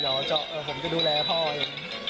อย่าอ่าจะผมก็ดูแลพ่อเอง